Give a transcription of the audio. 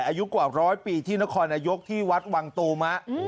อายุกว่าร้อยปีที่นครนายกที่วัดวังตูม